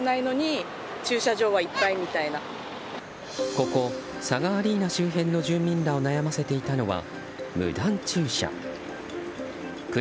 ここ、ＳＡＧＡアリーナ周辺の住民らを悩ませていたのは無断駐車。